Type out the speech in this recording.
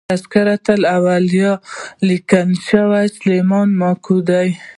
" تذکرة الاولیا" لیکونکی سلیمان ماکو دﺉ.